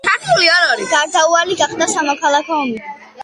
გარდაუალი გახდა სამოქალაქო ომი.